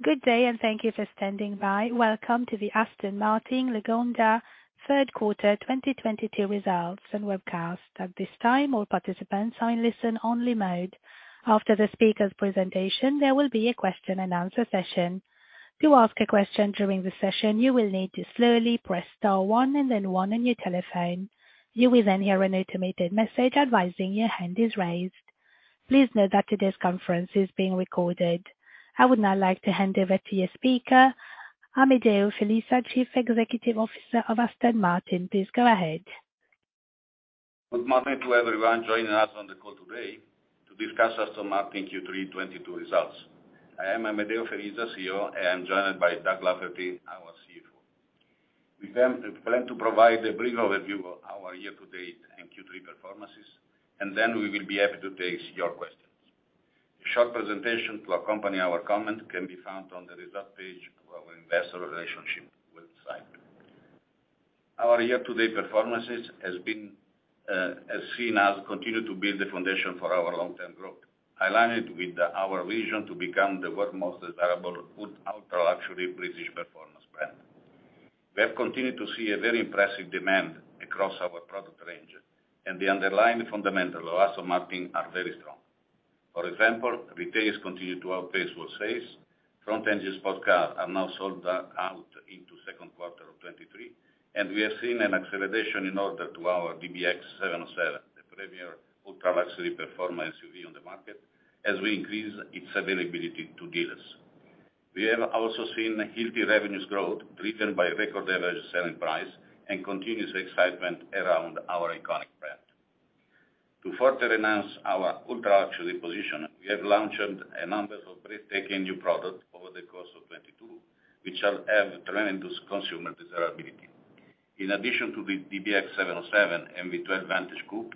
Good day, and thank you for standing by. Welcome to the Aston Martin Lagonda Third Quarter 2022 Results and Webcast. At this time, all participants are in listen-only mode. After the speaker's presentation, there will be a question and answer session. To ask a question during the session, you will need to slowly press star one and then one on your telephone. You will then hear an automated message advising your hand is raised. Please note that today's conference is being recorded. I would now like to hand over to your speaker, Amedeo Felisa, Chief Executive Officer of Aston Martin. Please go ahead. Good morning to everyone joining us on the call today to discuss Aston Martin Q3 2022 Results. I am Amedeo Felisa, CEO, and I'm joined by Doug Lafferty, our CFO. We plan to provide a brief overview of our year-to-date and Q3 performances, and then we will be happy to take your questions. A short presentation to accompany our comment can be found on the Results page of our Investor Relations website. Our year-to-date performances has seen us continue to build the foundation for our long-term growth, aligned with our vision to become the world's most desirable ultra-luxury British performance brand. We have continued to see a very impressive demand across our product range and the underlying fundamentals of Aston Martin are very strong. For example, retailers continue to outpace full sales. Front-engine sports cars are now sold out into second quarter of 2023, and we have seen an acceleration in orders to our DBX707, the premier ultra-luxury performance SUV on the market as we increase its availability to dealers. We have also seen healthy revenue growth, driven by record average selling price and continuous excitement around our iconic brand. To further enhance our ultra-luxury position, we have launched a number of breathtaking new products over the course of 2022, which shall have tremendous consumer desirability. In addition to the DBX707 and V12 Vantage Coupe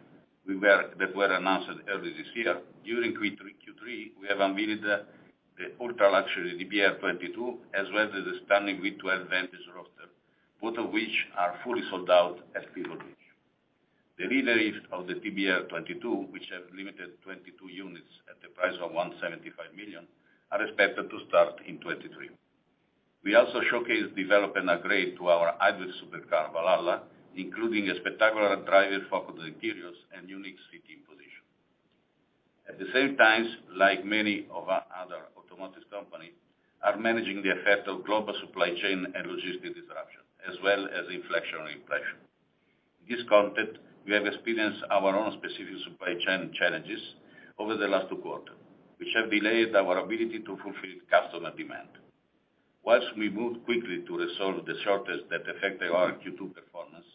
that were announced earlier this year, during Q3 we have unveiled the ultra-luxury DBR22, as well as the stunning V12 Vantage Roadster, both of which are fully sold out at pre-launch. The leaders of the DBR22, which have limited 22 units at the price of 175 million, are expected to start in 2023. We also showcase development upgrade to our hybrid supercar Valhalla, including a spectacular driver-focused interiors and unique seating position. At the same time, like many of our other automotive company, are managing the effect of global supply chain and logistics disruption, as well as inflationary pressure. In this context, we have experienced our own specific supply chain challenges over the last two quarters, which have delayed our ability to fulfill customer demand. Once we moved quickly to resolve the shortage that affected our Q2 performance,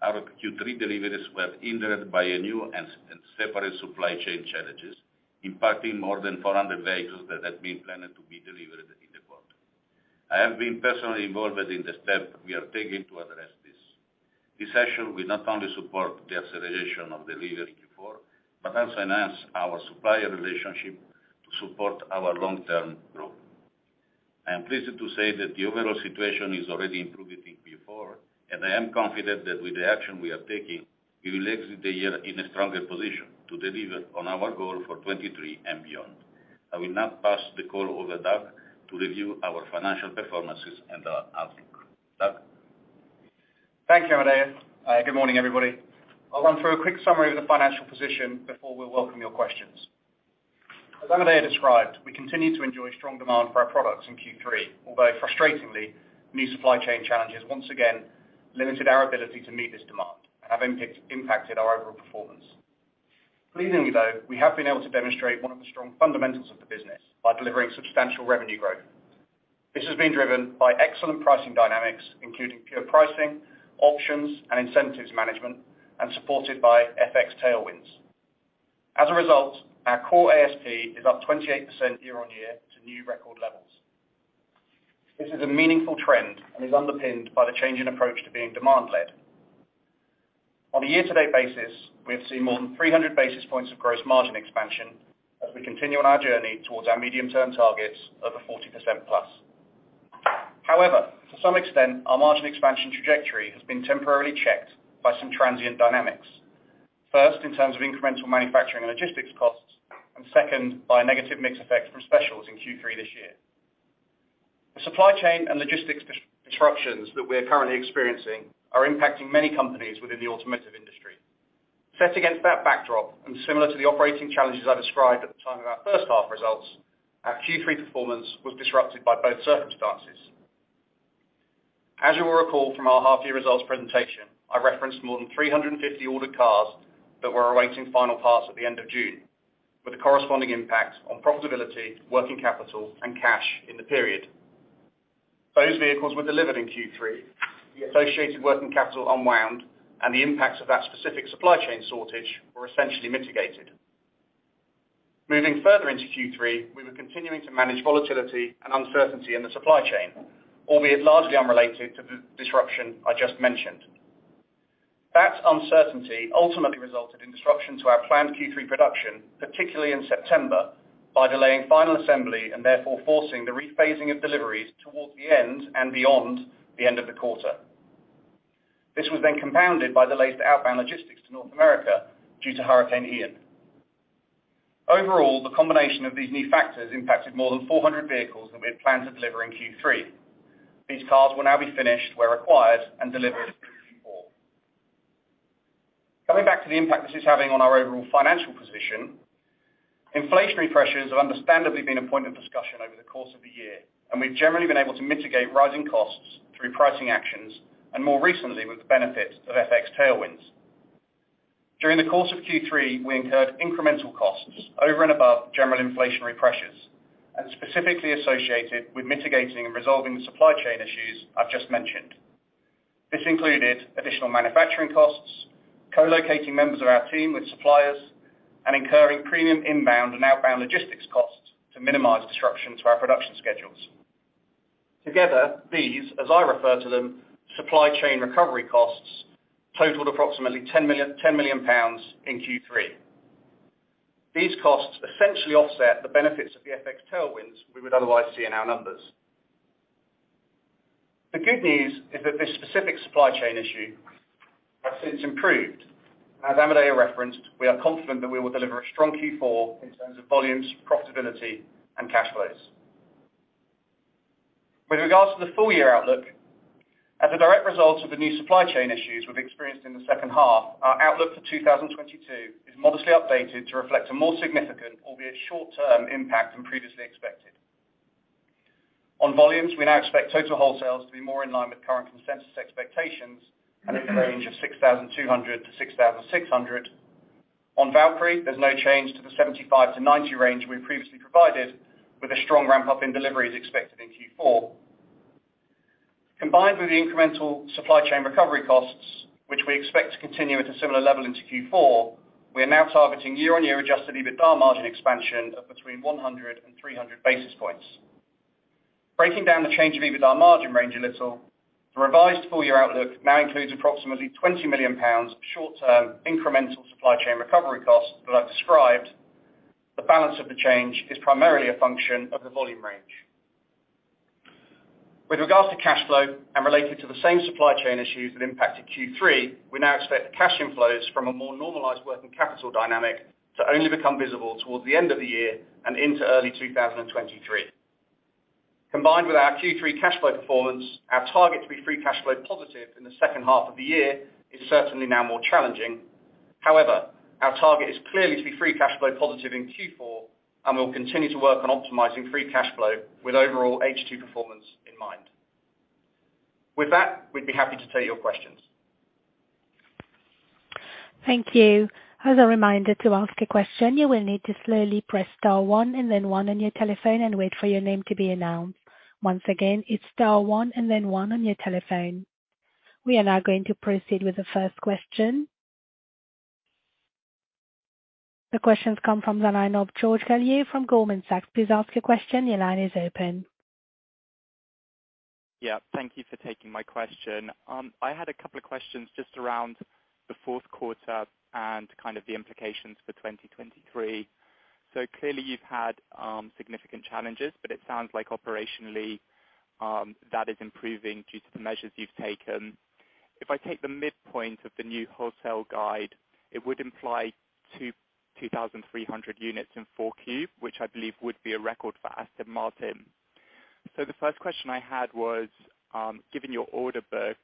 our Q3 deliveries were hindered by a new and separate supply chain challenges, impacting more than 400 vehicles that had been planned to be delivered in the quarter. I have been personally involved in the steps we are taking to address this. This action will not only support the acceleration of deliveries in Q4, but also enhance our supplier relationship to support our long-term growth. I am pleased to say that the overall situation is already improving in Q4, and I am confident that with the action we are taking, we will exit the year in a stronger position to deliver on our goal for 2023 and beyond. I will now pass the call over to Doug to review our financial performances and our outlook. Doug? Thank you, Amedeo. Good morning, everybody. I'll run through a quick summary of the financial position before we welcome your questions. As Amedeo described, we continue to enjoy strong demand for our products in Q3, although frustratingly, new supply chain challenges once again limited our ability to meet this demand and have impacted our overall performance. Pleasingly, though, we have been able to demonstrate one of the strong fundamentals of the business by delivering substantial revenue growth. This has been driven by excellent pricing dynamics, including pure pricing, options and incentives management, and supported by FX tailwinds. As a result, our core ASP is up 28% year-on-year to new record levels. This is a meaningful trend and is underpinned by the change in approach to being demand-led. On a year-to-date basis, we have seen more than 300 basis points of gross margin expansion as we continue on our journey towards our medium-term targets of a 40% plus. However, to some extent, our margin expansion trajectory has been temporarily checked by some transient dynamics. First, in terms of incremental manufacturing and logistics costs, and second by a negative mix effect from specials in Q3 this year. The supply chain and logistics disruptions that we are currently experiencing are impacting many companies within the automotive industry. Set against that backdrop, and similar to the operating challenges I described at the time of our H1 results, our Q3 performance was disrupted by both circumstances. As you will recall from our half-year results presentation, I referenced more than 350 ordered cars that were awaiting final parts at the end of June, with a corresponding impact on profitability, working capital and cash in the period. Those vehicles were delivered in Q3, the associated working capital unwound, and the impacts of that specific supply chain shortage were essentially mitigated. Moving further into Q3, we were continuing to manage volatility and uncertainty in the supply chain, albeit largely unrelated to the disruption I just mentioned. That uncertainty ultimately resulted in disruption to our planned Q3 production, particularly in September, by delaying final assembly and therefore forcing the rephasing of deliveries towards the end and beyond the end of the quarter. This was then compounded by delayed outbound logistics to North America due to Hurricane Ian. Overall, the combination of these new factors impacted more than 400 vehicles that we had planned to deliver in Q3. These cars will now be finished where required and delivered in Q4. Coming back to the impact this is having on our overall financial position, inflationary pressures have understandably been a point of discussion over the course of the year, and we've generally been able to mitigate rising costs through pricing actions and more recently with the benefit of FX tailwinds. During the course of Q3, we incurred incremental costs over and above general inflationary pressures and specifically associated with mitigating and resolving the supply chain issues I've just mentioned. This included additional manufacturing costs, co-locating members of our team with suppliers, and incurring premium inbound and outbound logistics costs to minimize disruption to our production schedules. Together, these, as I refer to them, supply chain recovery costs, totaled approximately 10 million pounds in Q3. These costs essentially offset the benefits of the FX tailwinds we would otherwise see in our numbers. The good news is that this specific supply chain issue has since improved. As Amedeo referenced, we are confident that we will deliver a strong Q4 in terms of volumes, profitability, and cash flows. With regards to the full year outlook, as a direct result of the new supply chain issues we've experienced in the H2, our outlook for 2022 is modestly updated to reflect a more significant, albeit short-term impact than previously expected. On volumes, we now expect total wholesales to be more in line with current consensus expectations and in the range of 6,200-6,600. On Valkyrie, there's no change to the 75-90 range we previously provided with a strong ramp-up in deliveries expected in Q4. Combined with the incremental supply chain recovery costs, which we expect to continue at a similar level into Q4, we are now targeting year-on-year adjusted EBITDA margin expansion of between 100 and 300 basis points. Breaking down the change of EBITDA margin range a little, the revised full year outlook now includes approximately 20 million pounds short-term incremental supply chain recovery costs that I've described. The balance of the change is primarily a function of the volume range. With regards to cash flow and related to the same supply chain issues that impacted Q3, we now expect cash inflows from a more normalized working capital dynamic to only become visible towards the end of the year and into early 2023. Combined with our Q3 cash flow performance, our target to be free cash flow positive in the H2 of the year is certainly now more challenging. However, our target is clearly to be free cash flow positive in Q4, and we'll continue to work on optimizing free cash flow with overall H2 performance in mind. With that, we'd be happy to take your questions. Thank you. As a reminder to ask a question, you will need to slowly press star one and then one on your telephone and wait for your name to be announced. Once again, it's star one and then one on your telephone. We are now going to proceed with the first question. The question's come from the line of George Galliers from Goldman Sachs. Please ask your question. Your line is open. Yeah, thank you for taking my question. I had a couple of questions just around the fourth quarter and kind of the implications for 2023. Clearly you've had significant challenges, but it sounds like operationally that is improving due to the measures you've taken. If I take the midpoint of the new wholesale guide, it would imply 2,300 units in Q4, which I believe would be a record for Aston Martin. The first question I had was, given your order book,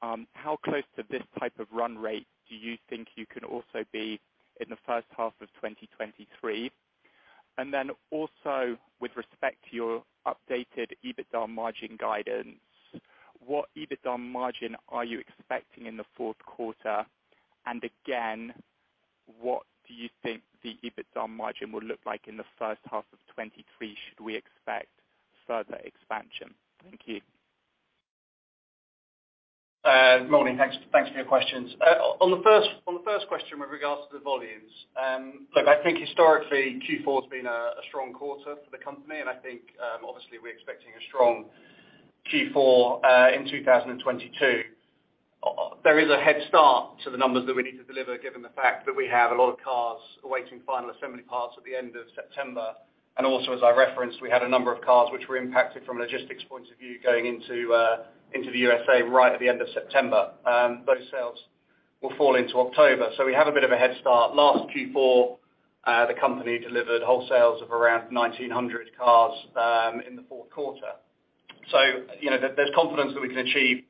how close to this type of run rate do you think you can also be in the H1 of 2023? Then also with respect to your updated EBITDA margin guidance, what EBITDA margin are you expecting in the fourth quarter? Again, what do you think the EBITDA margin will look like in the H1 of 2023? Should we expect further expansion? Thank you. Morning. Thanks for your questions. On the first question with regards to the volumes, look, I think historically Q4 has been a strong quarter for the company, and I think obviously we're expecting a strong Q4 in 2022. There is a head start to the numbers that we need to deliver given the fact that we have a lot of cars awaiting final assembly parts at the end of September. Also, as I referenced, we had a number of cars which were impacted from a logistics point of view going into the U.S.A. right at the end of September. Those sales will fall into October. We have a bit of a head start. Last Q4, the company delivered wholesales of around 1,900 cars in the fourth quarter. You know, there's confidence that we can achieve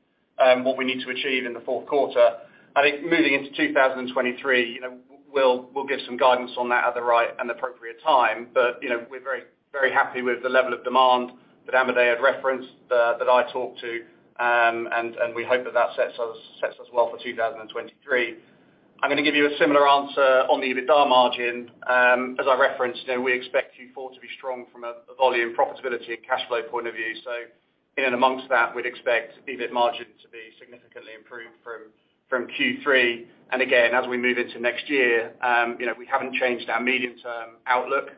what we need to achieve in the fourth quarter. I think moving into 2023, you know, we'll give some guidance on that at the right and appropriate time. You know, we're very, very happy with the level of demand that Amedeo had referenced, that I talked to, and we hope that that sets us well for 2023. I'm gonna give you a similar answer on the EBITDA margin. As I referenced, you know, we expect Q4 to be strong from a volume, profitability and cash flow point of view. In and amongst that, we'd expect EBIT margin to be significantly improved from Q3. Again, as we move into next year, you know, we haven't changed our medium-term outlook.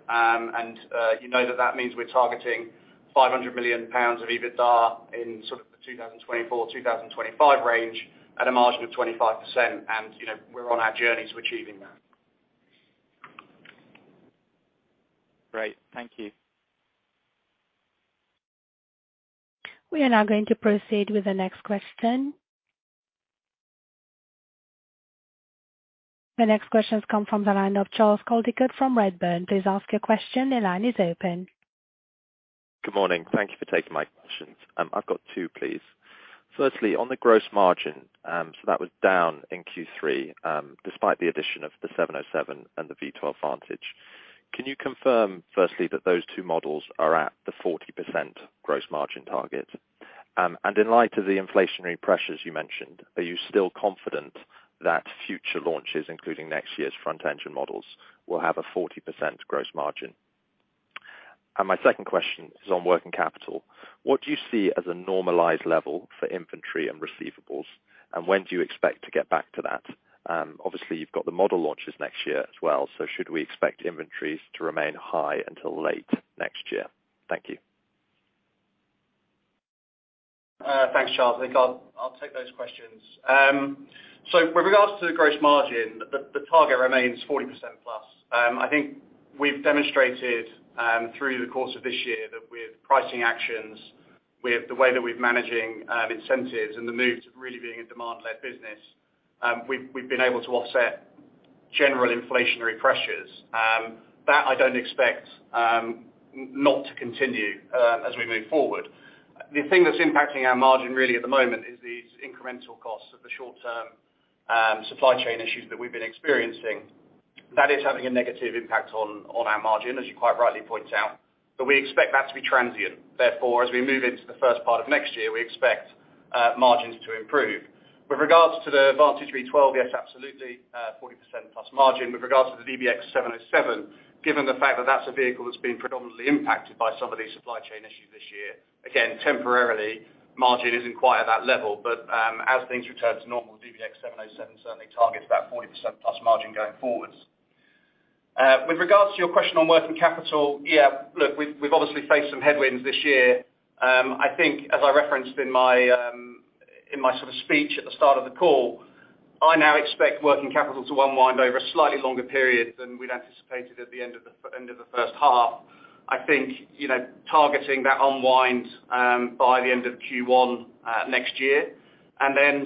You know that means we're targeting 500 million pounds of EBITDA in sort of the 2024-2025 range at a margin of 25%. You know, we're on our journey to achieving that. Great. Thank you. We are now going to proceed with the next question. The next question has come from the line of Charles Coldicott from Redburn. Please ask your question. The line is open. Good morning. Thank you for taking my questions. I've got two, please. Firstly, on the gross margin, so that was down in Q3, despite the addition of the 707 and the V12 Vantage. Can you confirm, firstly, that those two models are at the 40% gross margin target? And in light of the inflationary pressures you mentioned, are you still confident that future launches, including next year's front-engine models, will have a 40% gross margin? My second question is on working capital. What do you see as a normalized level for inventory and receivables, and when do you expect to get back to that? Obviously, you've got the model launches next year as well, so should we expect inventories to remain high until late next year? Thank you. Thanks, Charles. I think I'll take those questions. So with regards to the gross margin, the target remains 40% plus. I think we've demonstrated through the course of this year that with pricing actions, with the way that we're managing incentives and the move to really being a demand-led business, we've been able to offset general inflationary pressures. That I don't expect not to continue as we move forward. The thing that's impacting our margin really at the moment is these incremental costs of the short-term supply chain issues that we've been experiencing. That is having a negative impact on our margin, as you quite rightly point out. But we expect that to be transient. Therefore, as we move into the first part of next year, we expect margins to improve. With regards to the Vantage V12, yes, absolutely, 40%+ margin. With regards to the DBX707, given the fact that that's a vehicle that's been predominantly impacted by some of these supply chain issues this year, again, temporarily, margin isn't quite at that level. As things return to normal, DBX707 certainly targets that 40%+ margin going forwards. With regards to your question on working capital, yeah. Look, we've obviously faced some headwinds this year. I think as I referenced in my sort of speech at the start of the call, I now expect working capital to unwind over a slightly longer period than we'd anticipated at the end of the H1. I think, you know, targeting that unwind by the end of Q1 next year.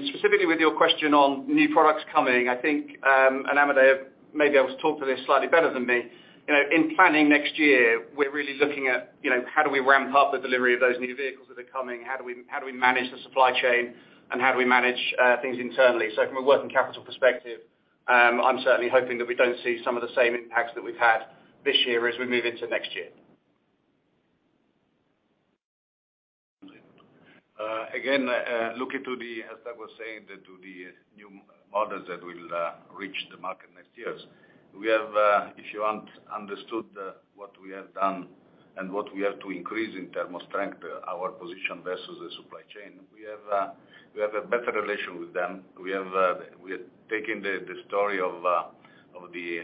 Specifically with your question on new products coming, I think, and Amedeo may be able to talk to this slightly better than me. You know, in planning next year, we're really looking at, you know, how do we ramp up the delivery of those new vehicles that are coming? How do we manage the supply chain, and how do we manage things internally? From a working capital perspective, I'm certainly hoping that we don't see some of the same impacts that we've had this year as we move into next year. Again, looking to the, as Doug was saying, to the new models that will reach the market next year. We have, if you understood, what we have done and what we have to increase in terms of strength, our position versus the supply chain, we have a better relationship with them. We have taken the story of the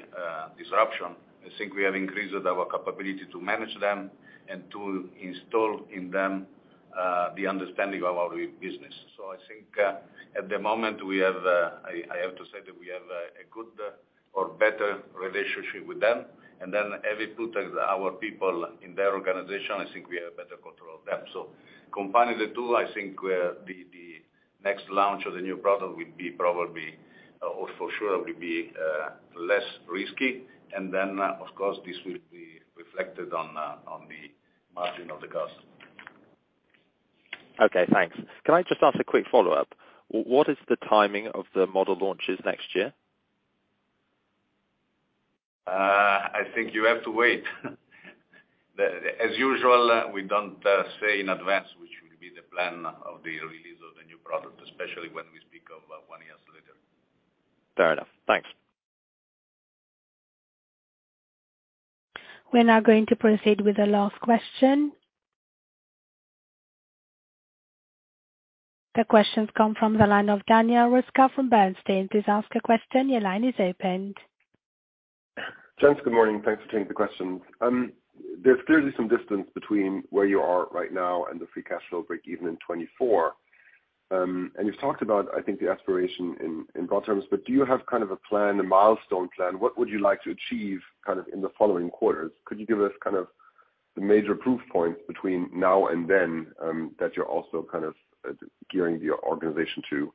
disruption. I think we have increased our capability to manage them and to install in them the understanding of our business. I think at the moment, we have I have to say that we have a good or better relationship with them. Then as we put our people in their organization, I think we have better control of them. Combining the two, I think the next launch of the new product will be probably or for sure less risky. Then, of course, this will be reflected on the margin and the cost. Okay, thanks. Can I just ask a quick follow-up? What is the timing of the model launches next year? I think you have to wait. As usual, we don't say in advance which will be the plan of the release of the new product, especially when we speak of one years later. Fair enough. Thanks. We're now going to proceed with the last question. The question's come from the line of Daniel Roeska from Bernstein. Please ask your question. Your line is opened. Gents, good morning. Thanks for taking the question. There's clearly some distance between where you are right now and the free cash flow break-even in 2024. You've talked about, I think, the aspiration in broad terms, but do you have kind of a plan, a milestone plan? What would you like to achieve kind of in the following quarters? Could you give us kind of the major proof points between now and then, that you're also kind of gearing your organization to?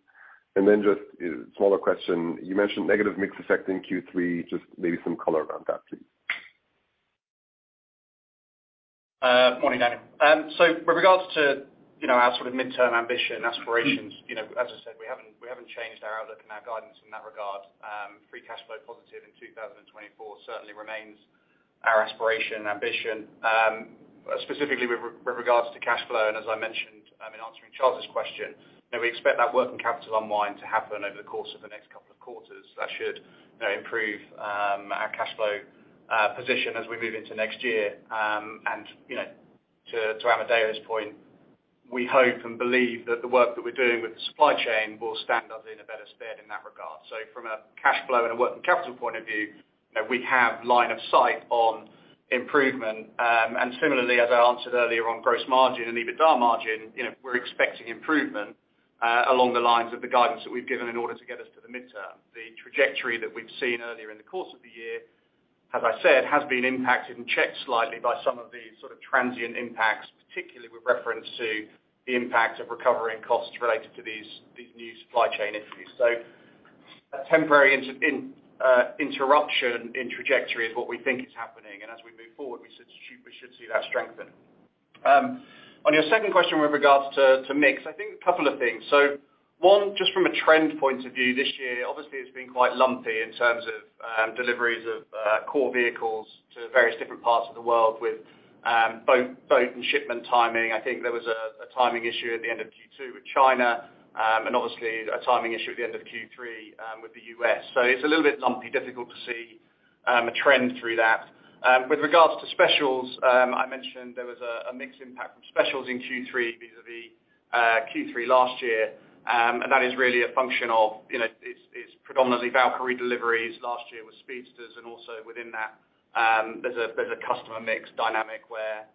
Just a smaller question. You mentioned negative mix effect in Q3. Just maybe some color around that, please. Morning, Daniel. With regards to, you know, our sort of midterm ambition, aspirations, you know, as I said, we haven't changed our outlook and our guidance in that regard. Free cash flow positive in 2024 certainly remains our aspiration, ambition. Specifically with regards to cash flow, and as I mentioned, in answering Charles' question, you know, we expect that working capital unwind to happen over the course of the next couple of quarters. That should, you know, improve our cash flow position as we move into next year. You know, to Amedeo's point, we hope and believe that the work that we're doing with the supply chain will stand us in a better stead in that regard. From a cash flow and a working capital point of view, you know, we have line of sight on improvement. Similarly, as I answered earlier on gross margin and EBITDA margin, you know, we're expecting improvement, along the lines of the guidance that we've given in order to get us to the midterm. Trajectory that we've seen earlier in the course of the year, as I said, has been impacted and checked slightly by some of the sort of transient impacts, particularly with reference to the impact of recovery and costs related to these new supply chain issues. A temporary interruption in trajectory is what we think is happening. As we move forward, we should see that strengthen. On your second question with regards to mix, I think a couple of things. One, just from a trend point of view, this year obviously has been quite lumpy in terms of deliveries of core vehicles to various different parts of the world with boat and shipment timing. I think there was a timing issue at the end of Q2 with China, and obviously a timing issue at the end of Q3 with the U.S. It's a little bit lumpy, difficult to see a trend through that. With regards to specials, I mentioned there was a mix impact from specials in Q3 vis-à-vis Q3 last year. That is really a function of, you know, it's predominantly Valkyrie deliveries. Last year was V12 Speedsters, and also within that, there's a customer mix dynamic where,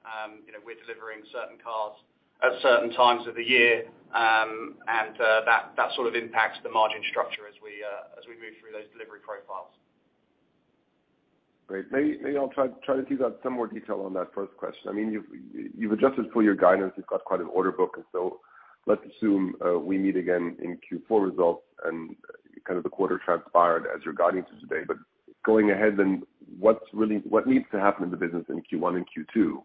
you know, we're delivering certain cars at certain times of the year. That sort of impacts the margin structure as we move through those delivery profiles. Great. May I try to tease out some more detail on that first question? I mean, you've adjusted for your guidance. You've got quite an order book. Let's assume we meet again in Q4 results and kind of the quarter transpired as you're guiding to today. Going ahead then, what needs to happen in the business in Q1 and Q2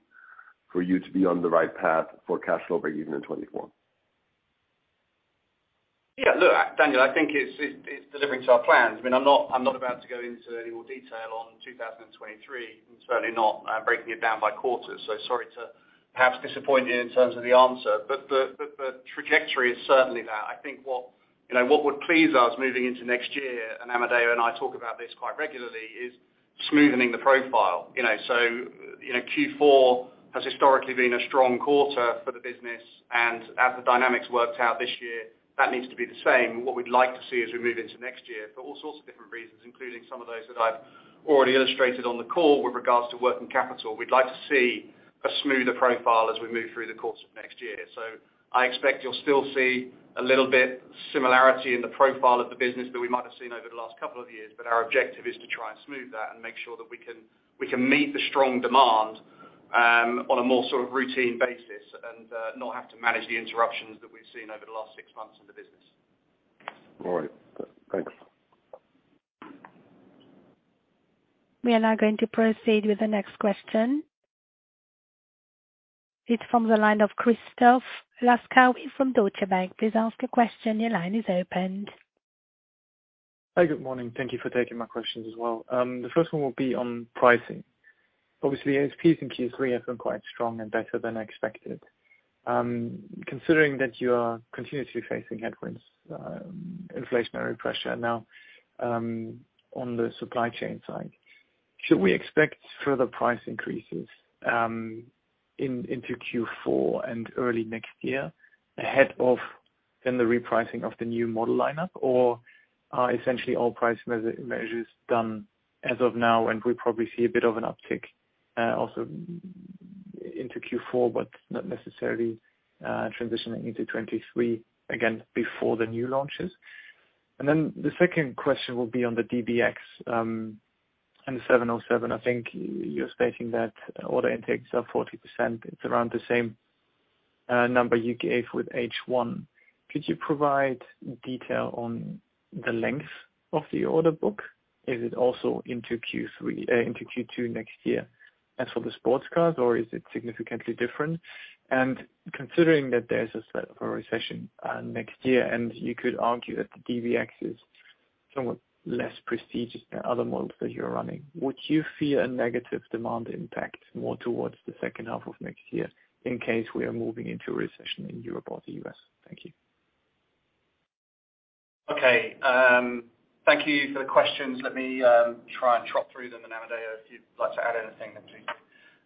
for you to be on the right path for cash flow break-even in 2024? Yeah. Look, Daniel, I think it's delivering to our plans. I mean, I'm not about to go into any more detail on 2023 and certainly not breaking it down by quarters. Sorry to perhaps disappoint you in terms of the answer, but the trajectory is certainly that. I think what, you know, what would please us moving into next year, and Amedeo and I talk about this quite regularly, is smoothening the profile, you know. You know, Q4 has historically been a strong quarter for the business, and as the dynamics worked out this year, that needs to be the same. What we'd like to see as we move into next year, for all sorts of different reasons, including some of those that I've already illustrated on the call with regards to working capital, we'd like to see a smoother profile as we move through the course of next year. I expect you'll still see a little bit similarity in the profile of the business that we might have seen over the last couple of years, but our objective is to try and smooth that and make sure that we can meet the strong demand on a more sort of routine basis and not have to manage the interruptions that we've seen over the last six months in the business. All right. Thanks. We are now going to proceed with the next question. It's from the line of Christoph Laskawi from Deutsche Bank. Please ask your question. Your line is open. Hi, good morning. Thank you for taking my questions as well. The first one will be on pricing. Obviously, ASPs in Q3 have been quite strong and better than expected. Considering that you are continuously facing headwinds, inflationary pressure now, on the supply chain side, should we expect further price increases into Q4 and early next year ahead of then the repricing of the new model lineup? Or are essentially all pricing measures done as of now, and we'll probably see a bit of an uptick also into Q4, but not necessarily transitioning into 2023, again, before the new launches? The second question will be on the DBX and the 707. I think you're stating that order intakes are 40%. It's around the same number you gave with H1. Could you provide detail on the length of the order book? Is it also into Q3, into Q2 next year as for the sports cars, or is it significantly different? Considering that there's a threat of a recession, next year, and you could argue that the DBX is somewhat less prestigious than other models that you're running, would you fear a negative demand impact more towards the H2 of next year in case we are moving into a recession in Europe or the U.S.? Thank you. Okay. Thank you for the questions. Let me try and talk through them, and Amedeo, if you'd like to add anything, then please.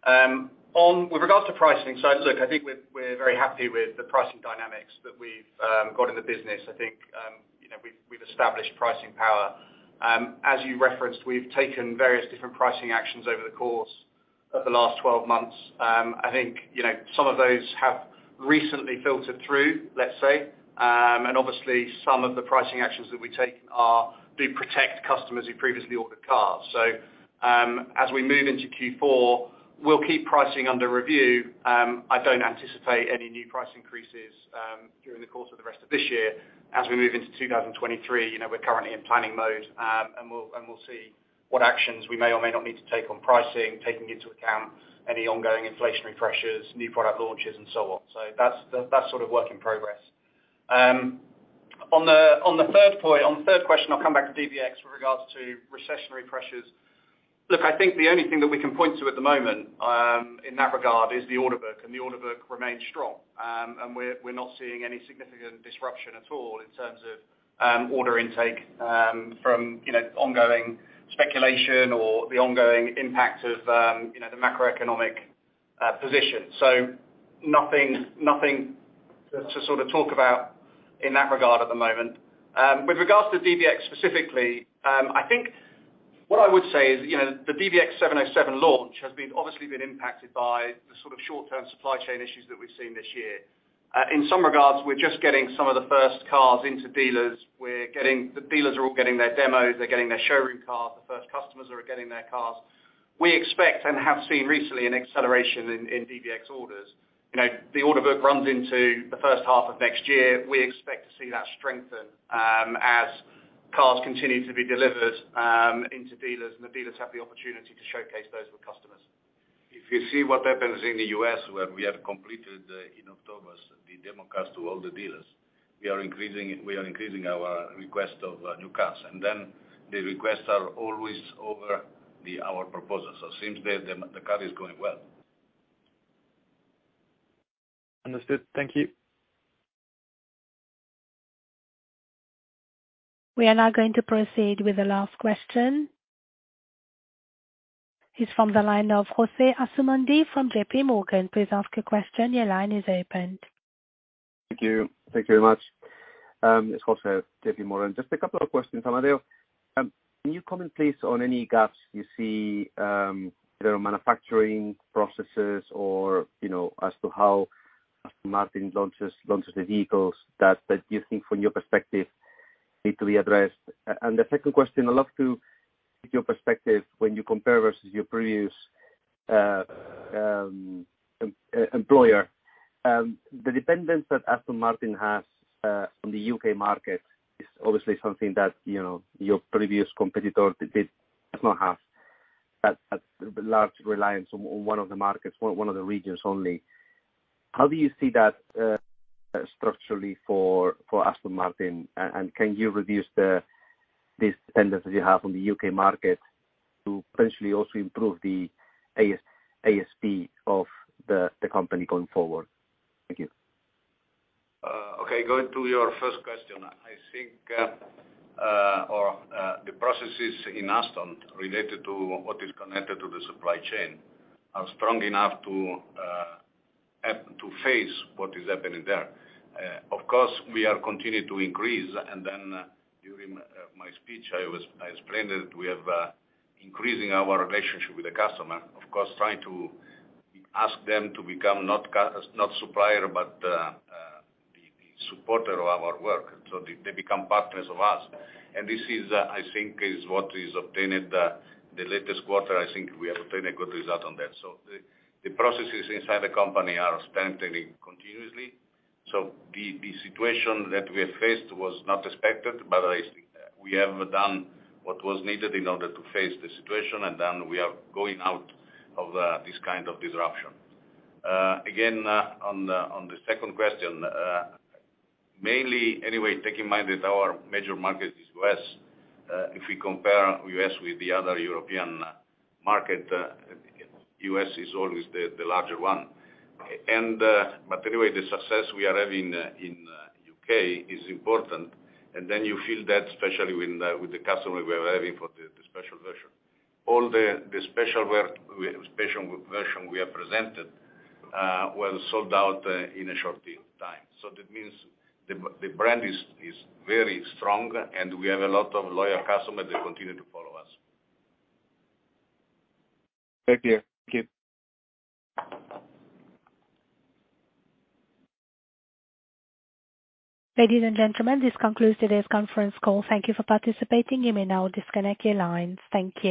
Now, with regards to pricing, look, I think we're very happy with the pricing dynamics that we've got in the business. I think you know, we've established pricing power. As you referenced, we've taken various different pricing actions over the course of the last 12 months. I think you know, some of those have recently filtered through, let's say. Obviously some of the pricing actions that we've taken are to protect customers who previously ordered cars. As we move into Q4, we'll keep pricing under review. I don't anticipate any new price increases during the course of the rest of this year. As we move into 2023, you know, we're currently in planning mode, and we'll see what actions we may or may not need to take on pricing, taking into account any ongoing inflationary pressures, new product launches and so on. That's sort of work in progress. On the third point, on the third question, I'll come back to DBX with regards to recessionary pressures. Look, I think the only thing that we can point to at the moment, in that regard is the order book, and the order book remains strong. We're not seeing any significant disruption at all in terms of order intake, from you know, ongoing speculation or the ongoing impact of you know, the macroeconomic position. Nothing to sort of talk about in that regard at the moment. With regards to DBX specifically, what I would say is, you know, the DBX707 launch has obviously been impacted by the sort of short-term supply chain issues that we've seen this year. In some regards, we're just getting some of the first cars into dealers. The dealers are all getting their demos, they're getting their showroom cars, the first customers are getting their cars. We expect, and have seen recently an acceleration in DBX orders. You know, the order book runs into the H1 of next year. We expect to see that strengthen as cars continue to be delivered into dealers, and the dealers have the opportunity to showcase those with customers. If you see what happens in the U.S., where we have completed in October the demo cars to all the dealers, we are increasing our request of new cars. The requests are always over our proposals. It seems the car is going well. Understood. Thank you. We are now going to proceed with the last question. It's from the line of Jose Asumendi from JP Morgan. Please ask your question. Your line is open. Thank you. Thank you very much. It's José Asumendi, J.P. Morgan. Just a couple of questions, Amedeo. Can you comment please on any gaps you see, you know, manufacturing processes or, you know, as to how Aston Martin launches the vehicles that you think from your perspective need to be addressed? The second question, I'd love to get your perspective when you compare versus your previous employer. The dependence that Aston Martin has on the U.K. market is obviously something that, you know, your previous competitor did not have. That large reliance on one of the markets, one of the regions only. How do you see that structurally for Aston Martin? Can you reduce this dependence that you have on the U.K. market to potentially also improve the ASP of the company going forward? Thank you. Okay. Going to your first question. I think the processes in Aston related to what is connected to the supply chain are strong enough to have to face what is happening there. Of course, we are continue to increase, and then during my speech, I explained that we have increasing our relationship with the customer, of course, trying to ask them to become not supplier, but the supporter of our work. They become partners of us. This is, I think, what is obtained at the latest quarter. I think we have obtained a good result on that. The processes inside the company are strengthening continuously. The situation that we have faced was not expected, but I think we have done what was needed in order to face the situation, and then we are going out of this kind of disruption. Again, on the second question, mainly, anyway, take in mind that our major market is U.S. If we compare U.S. with the other European market, U.S. is always the larger one. But anyway, the success we are having in U.K. is important. Then you feel that especially when with the customer we are having for the special version. All the special version we have presented was sold out in a short period of time. That means the brand is very strong, and we have a lot of loyal customers that continue to follow us. Thank you. Thank you. Ladies and gentlemen, this concludes today's conference call. Thank you for participating. You may now disconnect your lines. Thank you.